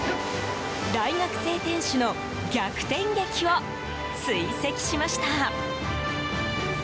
大学生店主の逆転劇を追跡しました。